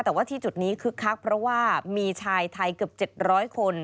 แต่ว่าที่จุดนี้คึกคักเพราะว่ามีชายไทยเกือบ๗๐๐คน